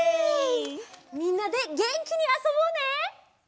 みんなでげんきにあそぼうね！